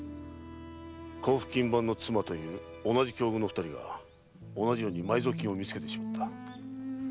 甲府勤番の妻という同じ境遇の二人が同じように埋蔵金を見つけてしまった。